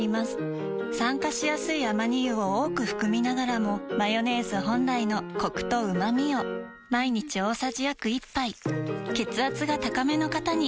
酸化しやすいアマニ油を多く含みながらもマヨネーズ本来のコクとうまみを毎日大さじ約１杯血圧が高めの方に機能性表示食品